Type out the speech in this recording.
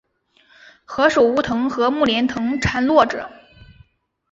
何首乌藤和木莲藤缠络着